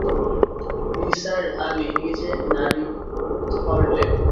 নিসার আলি নিজের নাড়ি ধরলেন।